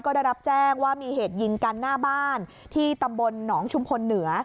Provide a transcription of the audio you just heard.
ก็ได้รับแจ้งว่ามีเหตุยิงกันหน้าบ้านที่ตำบลหนองชุมพลเหนือ